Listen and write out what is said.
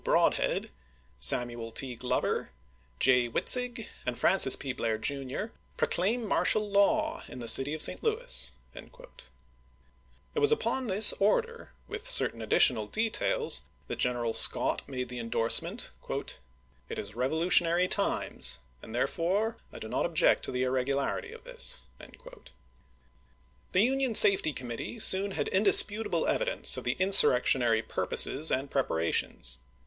Broadhead, Samuel T. Glover, J. Witzig, and "w^R*^' Vol' F^a^cis P. Blair, Jr., proclaim martial law in the city of I.', p! 675. ' St. Louis. It was upon this order, with certain additional details, that Greneral Scott made the indorsement, " It is revolutionary times, and therefore I do not object to the irregularity of this." The Union Safety Committee soon had indispu table evidence of the insurrectionary purposes and preparations.